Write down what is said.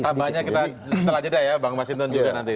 tambahnya kita setelah jeda ya bang mas hinton juga nanti ya